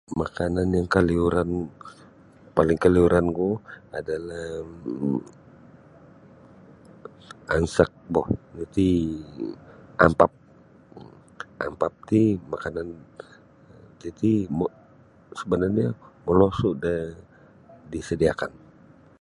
Makanan yang kaliuran paling kaliuran ku adalah ansak bo nu ti ampap ampat ti makanan titi mo sabanarnyo molosu da disediakan.